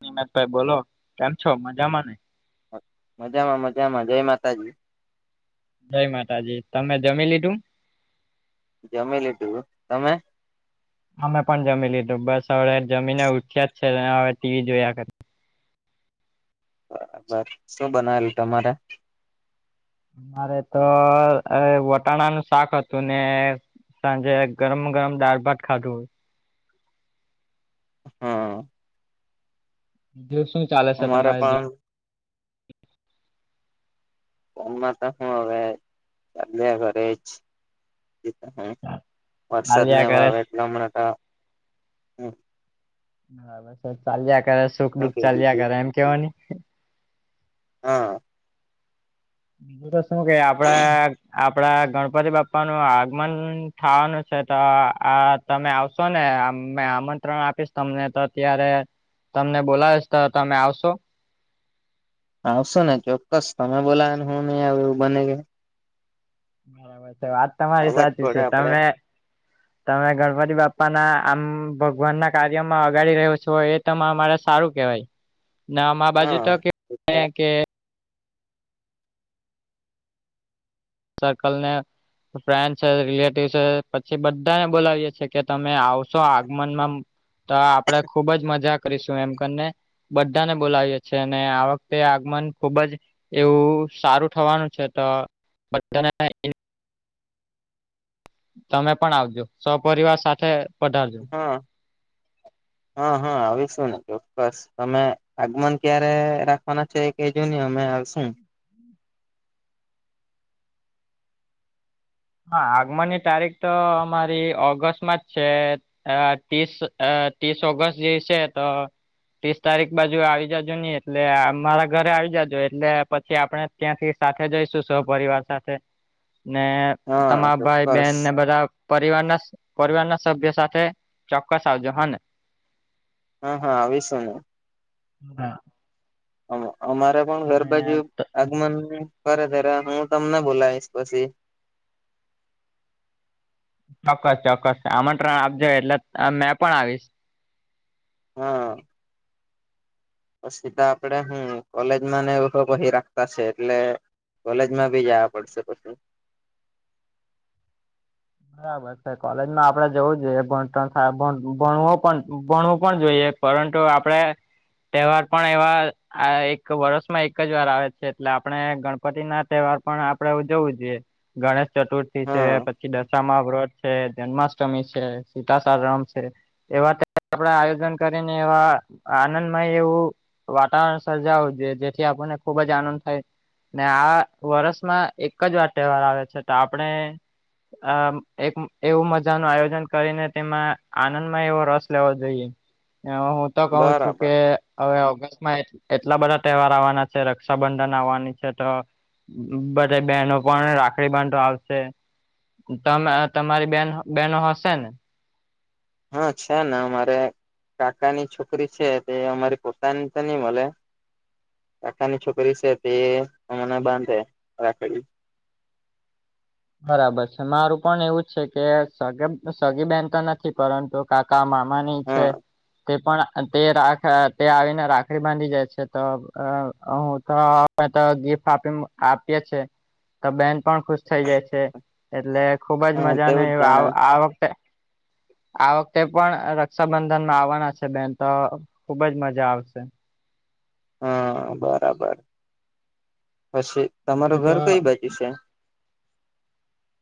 નિમતભાઈ બોલો કેમ છો મજામાં ને મજામાં મજામાં જય માતાજી જય માતાજી તમે જમી લીધું જમી લીધું તમે અમે પણ જમી લીધું બસ હવે જમીને ઉઠ્યા જ છે હવે ટીવી જોયા કર બરાબર શું બનાવેલું તમારે મારે તો વટાણા નું શાક હતું ને સાંજે ગરમ ગરમ દાળ ભાત ખાધું હમ દવ શું ચાલે છે અમારે તમારે જે પણ ફનમાં તો હું હવે ચાલ્યા ઘ જ વરસાદને ચાલ્યા કરે વાવે એટલે હમણાં બરાબર સર ચાલ્યા કરે સુખ શું દુઃખ કહી ચાલ્યા દીધું કરે એમ કેવો નહી હા એું તો શું કે આપડા આપડા ગણપતિ બાપા નું આગમન થવાનું છે તો આ તમે આવશો ને આમંત્રણ આપીશ તમને તો અત્યારે તમને બોલાવેશ તો તમે આવશો આવશો ને ચોક્કસ તમે બોલાને હું નહી આવ એવું બને ગય બરાબર છે વાત તમારી અવાજ સાચી છે પડે આપડે તમે તમે ગણપતિ બાપા ના આમ ભગવાન ના કાર્યમાં અગાડી રહ્યો છો એ ત અરે સારું કેવાય નામા બાજુ હા તો કે કે સરર્કલ ને ફ્રેન્ડ છે રિલેટિવ છે પછી બધાને બોલાવીએ છેએ કે તમે આવશો આગમનમાં તો આપડે ખુબ જ મજા કરીશું એમ કરીને બધાને બોલાવીએ છીએ અને આ વખતે આગમન ખુબ જ એવું સારું થવાનું છે તો બધાને તમે પણ આવજો સપરિવાર સાથે પધારજો હા હા હા આવી શું ને ચોક્કસ તમે આગમન ક્યારે રાખવાના છે એ ક જોય ને અમે આવશું હા આગમનની તારીખ તો અમારી ઓગસ્ટમાં જ છે આ ત્રીસ ત્રીસ ઓગસ્ટ જે છે તો ત્રીસ તારીખ બાજુ આવી જાજો નહી એટલે મારા ઘરે આવી જજો એટલે પછી આપણે ત્યાંથી સાથે જઈશું સૌપિવાર સાથે ને હા તમારા ભાઈ ચોક્કસ બહેન ને બધા પરિવારના પરિવારના સભ્ય સાથે ચોક્કસ આવજો હા ને. હા હા આવી શુંને. હ હા અમારે પણ ઘર બાજુ આગમન કતો તારે હું તમને બોલાવીશ પછી. ચોક્કસ ચોક્કસ આમત્રણ આપજો એટલે મેં પણ આવીશ. હા [inaudible] તો સીધા આપડે હમ કોલેજમાં ને એવ કહી રાખતા છે એટલે કોલેજમાં બી જવા પડશે પછી. બરાબર. કોલેજમાં આપણેે જવું જોઈએ ભણણાય ભણવું ભણવું પણ જોઈએ. પરંતુ આપડે તહેવાર પણ એવા આ એક વર્ષમાં એક જ વાર આવે છે એટલે આપણે ગણપતિ ના તહેવાર પણ આપડણે ઉજવવું જોઈએ. ગણેશ ચતુર્થી છે હા પછી દસ મા વ્રત છે જન્માષ્ટમી છે સીતાલા સાતમ છે. એવા આપડા આયોજન કરીને એવા આનંદમય એવું વાતાવરણ સર્જાવું જે જેથી આપણને ખુબ જ આનંદ થાય. ને આ વર્ષમાં એક જ વાર તહેવાર આવે છે તો આપણે આ એક એવું મજા નું આયોજન કરીને તેમાં આનંદમાં એવો રસ લેવો જોઈએ. એ હું તો કઉ છું બરાબર કે હવે ઓગસ્ટમાં એટલા બધા તહેવાર આવવાના છે રક્ષાબંધન આવવાની છે તો બધા બહેનો પણ રાખડી બાંધો આવશે. ત તમારી બેન બેનો હશે ને. હા છે ને મારે કાકાની છોકરી છે તે અમારી પોતાને તો નઈ મળે. કાકાની છોકરી છે તે મને બાંધે રાખડી. બરાબર છે મારું પણ એવું છે કે સગ સગી બેન તો નથી પરંતુ કાકા મામા ની છે. હા તે પણ તે રાખ તે આવીને રાખડી બાંધી જાય છે તો હું તો તો ગિફ્ટ આપી આપીએ છે તો બેન પણ ખુશ થઈ જાય છે એટલે ખુબ જ હા મજા તેવું જ જાણે આ વખતે આ વખતે પણ રક્ષાબંધનમાં આવવાના છે બેન તો ખુબ જ મજા આવશે. હા બરાબર પછી તમારું બીજું તો ઘર કઈ બાજુ છે.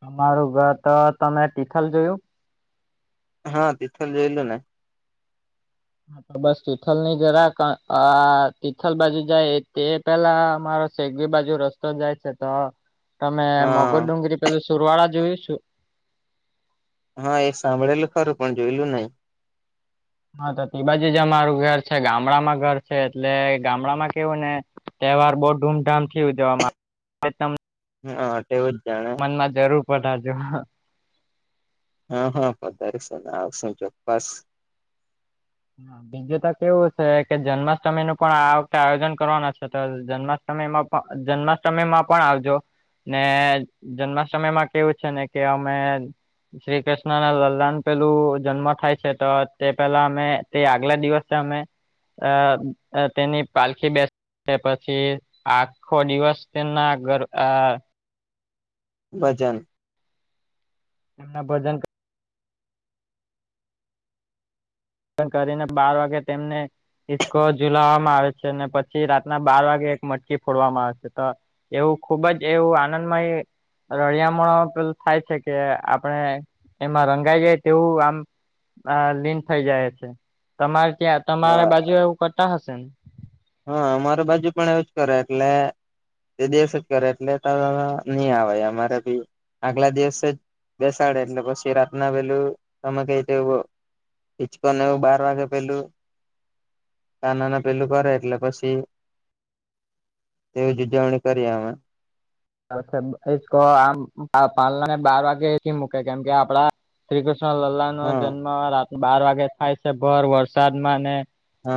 તમારું ઘર તો તમે તિથલ જોયું. હા તિથલ જોયલું ને. હા તો બસ તિથલ ની જરા તિથલ બાજુ જાય તે. પેલા મામારો શેગી બાજુ રસ્તો જાય છે તો તમે હા મગર ડુંગરી પેલું સુરવાળા જોયું. હા એ સાંભળેલું ખરું પણ જોયલું નહી. હા તો તે બાજુ જ અમારું ઘર છે ગામડામાં ઘર છે એટલે ગામડામાં કેવું ને તહેવાર બહુ ધૂમધામથી ઉજવવામાં આવે ત હા તેવું જ જાણે જરૂર પડ આજ હા હા વધારે છે આવ શું ચોક્સ બીજું તો કેવું છે કે જન્માષ્ટમી નું પણ આ વખતે આયોજન કરવાના છે તો જન્માષ્ટમ યમાં પણ જન્માષ્ટમીમાં પણ આવજો. ને જન્મ સમય માં કેવું છે ને કે અમે શ્રી કૃષ્ણ ના લલલાન પેલું જન્મ થાય છે તો તે પેલા અમે તે આગલા દિવસે અમે અ તેની પાલખી બેસ તે પછી આખો દિવસ તેના ઘર ભજન એમના ભજન કરીને બાર વાગે તેમને ચકો ઝુલાવવામાં આવે છે ને પછી રાતના બાર વાગે એક મટકી ફોડવામાં આવે છે, તો એવું ખુબ જ એવું આનંદમય રળિયામણો પે થાય છે, કે આપણે એમાં રંગાઈ જાય તેવું આમ આ લીન થઇ જાય છે, તમારે ત્યાં વા તમારા બાજુ એવું કરતા હશે ને હા અમાર બાજુ પણ એવું જ કરે એટલે તે દિવસ જ કરે એટલે નહી, આવે અમારે ભી આગલા દિવસે જ બેસાડે એટલે પછી રાતના પેલું તમે કઈ ચકોને એવું બાર વાગે પેલું ના નાના પેલું કરે એટલે પછી એવી ઉજવણી કરીએ અમે કો આમ પાલા ને બાર વાગેથી મૂકે કેમ કે આપડા શ્રી કૃષ્ણ લલ્લા નો હા જન્મ રાત બાર વાગે થાય છે, ભર વરસાદમાં ને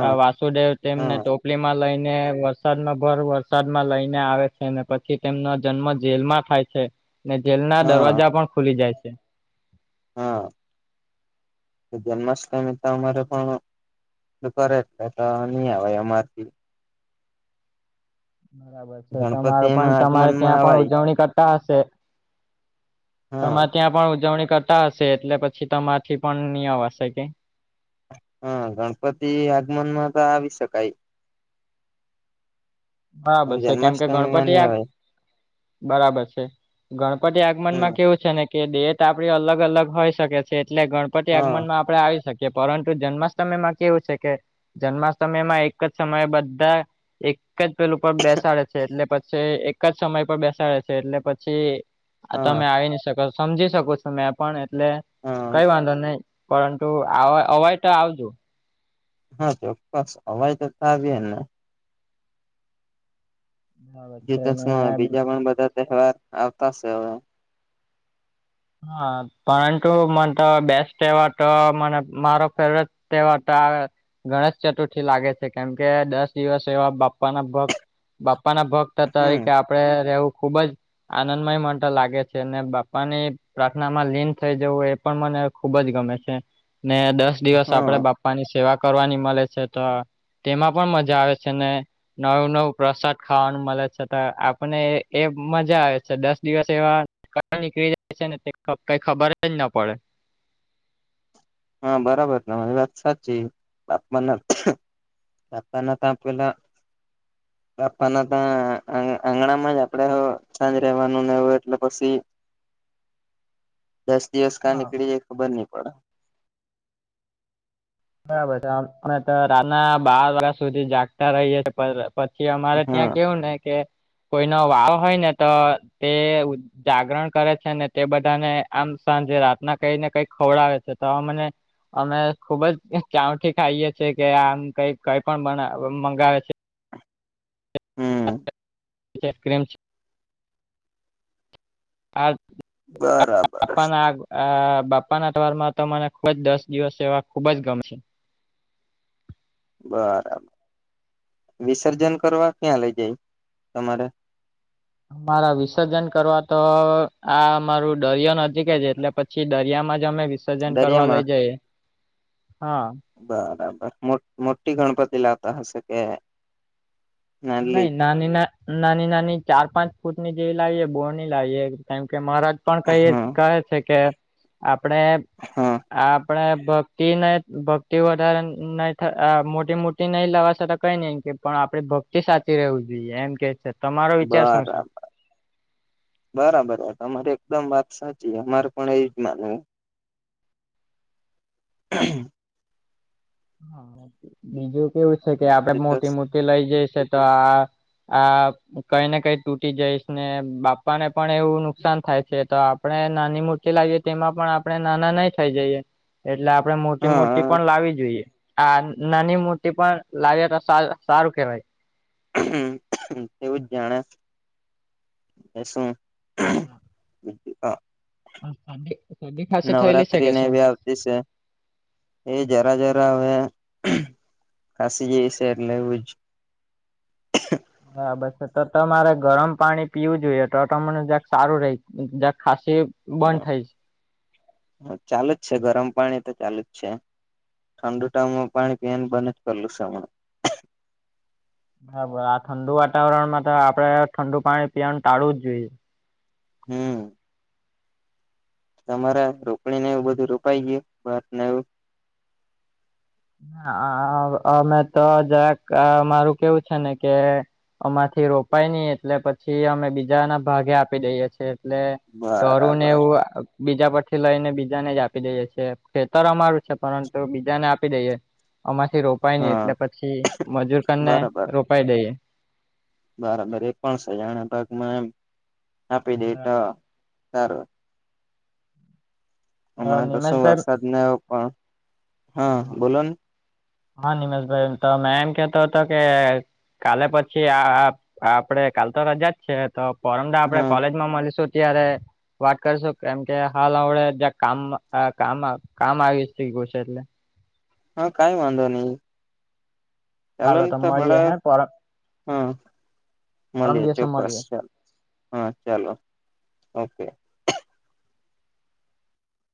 હ વા સુદેવ તેમને હા ટોપલીમાં લઈને વરસાદમાં ભર વરસાદમાં લઈને આવે છેને, પછી તેમનો જન્મ જેલમાં થાય છેને, જેલ ના હા દરવાજા પણ ખુલી જાય છે. હા [unintelligible] જન્માષ્ટમી તો અર પણણ કરે એટલે તો નહી, આવેય અમારથી બરાબર છે, ગણપતિ તમરુ પણ એમાં તમારે આગમનમાં ત્યાં પણ આવાય ઉજવણી કર હશે હા તમામાં ત્યાં પણ ઉજવણી કરતા હશે એટલે પછી તમાથી પણ નહી આવવાશે કે હા ગણપતિ આગમન માં તો આવી શકાય હા પણ બસ છે, કેમ કે જન્માષ્ટમી માં ગણપતિ ની આ અવાય બરાબર છે, ગણપતિ હમ આગમનમાં કેવું છે. ને કે ડેટ આપડી અલગ અલગ હોઈ શકે છે, એટલે ગણપતિ હા આગમનમાં આપ આપડણે આવી શકીએ પરંતુ જન્માષ્ટમી માં કેવું છે, કે જન્માષ્ટમી માં એક જ સમય બધા એક જ પેલું પર બેસાડે છે એટલે પછી એક જ સમય પર બેસાડે છે, એટલે પછી હા તમે આવી નઈ શકો સમજી શકો છો મેં પણ એટલે હા કઈ વાંધો નહી. પરંતુ અવાય તો આવજો હા ચોક્કસ હવાજ તો થાવ ને બરાબર છે અને બીજા પણ બધા તહેવાર આવતા છે, હવે હા પરંતુ મને તો બેસ્ટ એવા તો મને મારો ફેવટ તેવાતા ગણેશ ચતુર્થી લાગે છે કેમ કે દસ દિવસ એવા બાપ્પાના ભગ બાપા ના ભગ હમ તરીકે આપડે રહેવું ખુબ જ આનંદમય મ લાગે છે ને બાપાની પ્રાર્થનામાં લીન થઈ જવું એ પણ મને ખુબ જ ગમે છેને, દસ દિવસ આપડે હા બાપ પ્પા ની સેવા કરવાની મળે છે, તો તેમાં પણ મજા આવે છેને. નવું નવું પ્રસાદ ખાવાનું મળે છે તો આપને એ મજા આવે છે દસ દિવસ એવા નીકળી જાય છે ને કઈ ખબર જ ના પડે હા બરાબર તમારી વાત સાચી બાપમાના તતાના ત આપ પેલા [unintelligible] બાપાના ત આંગણા માં આપડે સાંજ રવાનું નેવું એટલે પછી. [unintelligible] દસ દિવસ કાં હા નીકળી એ ખબર નહી પડે બરાબર રાતના બાર વાગ્યા સુધી જાગતા રહીએ છીએ. પછી અમારે હા ત્યાં કેવું ને કે કોઈનો વાવ હોય ને તો તે જાગરણ કરે છે ને તે બધાને આમ સાંજે રાતના કઈ ને કઈ ખવડાવે છે તો આ મને અમે ખુબ જ ચઉઠ ખાઈએ છેીએ કે આમ કઈ કઈ પણ મંગાવે છે હમ એ ક્ર્રીમ છે આ બરાબર આપ આગ [unintelligible] આ બાપ્પા ના અઠવાર માં તો મને ખુબ જ દસ દિવસ એવા ખુબ જ ગમશે બરાબર વિસર્જન કરવા ક્યાં લઇ જાય તમારે અમારા વિસર્જન કરવા તો આ અમારું દરિ ન કે છે એટલે પછી દરિયામાં જ અમે સજ કરવા લઇ દરિયામાં જઈ હા બરાબર મોટી ગણપતિ લાવતા હશે કે નાલી નાહી નાની ના નાની નાની ચાર પાંચ ફૂટ ની જે લાવીએ બોની લાવીએ કેમ કે મારા પણ કહી હા કહે છે કે આપણે હા આપડે ભક્તિ ન ભક્તિ વધારે નહી મોટી મોટી ભ નહીં લવા છતા કઈ નહીમ કે પણ આપણે ભક્તિ સાચી રહેવું જોઈએ એમ કે તમારો વિચાર શું છે બરાબર બરાબર હ તમારે એકદમ વાત સાચી અમારે પણ એજ માન હમ [inaudible] હા બીજું કેવું છે કે આપડે એ તો મોટી મોટી લઈ જઈશે તો આ આ કઈ ને કઈ તૂટી જઈશ ને બાપાને પણ એવું નુકસાન થાય છે તો આપણે નાની મૂર્તિ લાવીએ તેમાં પણ આપણે નાના નહી થઈ જઈએ એટલે આપણે મોટી મોટી હા પણ લાવી જોઈએ આ નાની મૂર્તિ પણ લાવી તો સારું કહેવાય હ એવું જ જાણે શું હ [inaudible] હ તને નવરાત્રી ને વ્યાવતિ છે એ જરા જરા હવે ખસી જઈ છે એટલે એવું જ બરાબર છે તો તમારે ગરમ પાણી પીવું જોઈએ તો તમને જ્યાક સારું રહી જક ખાસી બંધ થાય છે હ ચાલુ જ છે ગરમ પાણી તો ચાલુ જ છે ઠંડુ ટાઈમમાં પાણી પીવા ની બંધ જ પડલ શ બરાબર આ ઠંડુ વાતાવરણમાં તો આપડે ઠંડુ પાણી પીવાનું ટાળું જ જોઈએ હમ તમારા રોકણીને એવું બધું રોપાઈ ગયું બત ને એવું હ અમે તો જરાક મારું કેવું છે ને કે અમાંથી રોપાય નઈ એટલે પછી અમે બીજા ના ભાગે આપી દઈએ છ છે એટલે ટોરુને બરાબર એવું બીજા પરથી લઈને બીજાને જ આપી દેએે છીએ ખેતર અમારું છે પરંતુ બીજાને આપ ી દઈએ આમાંથી રોપાય નહી હા એટલે પછી મજૂર કરીને બરાબર રોપાઈ દઈએ બરાબર એક પણ સજાના ભાગમાં એમ આપી બરાબર દેટા સારું અ હમણાં તો શું નિમેશભાઈ વરસાદને પણ હા બોલો ને હા નિમશભાઈ તો મે એમ કેતો હતો કે કાલે પછી આ આપડે કાલ તો રા જ છે તો ફોરમડા આપડે હા કોલેજમાં મળીશું ત્યારે વાત કરશો કેમ કે હાલ હડે જ્યાં કામ કામ કામ આવી ગ છે એટલે હા કઈ વાંધો નહી ચાલો હાલો ને તો મળીએ પડા હે પરમ હમ પરમ મળીએ દિવસે ચોક્કસ મળીએ ચાલ હા ચાલો ઓકે